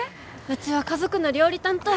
うちは家族の料理担当。